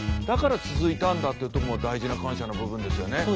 だから続いたんだっていうとこも大事な感謝の部分ですよね。